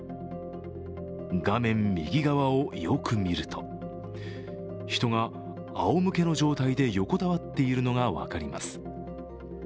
画面右側をよく見ると、人があおむけの状態で横たわっているのが分かります。